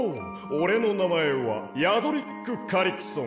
おれのなまえはヤドリック・カリクソン。